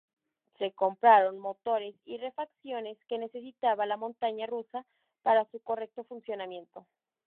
Se compraron motores y refacciones que necesitaba la montaña rusa para su correcto funcionamiento.